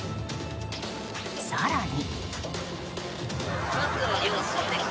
更に。